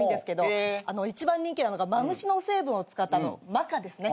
一番人気なのがマムシの成分を使ったマカですね。